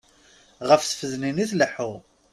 Ɣef tfednin i tleḥḥu.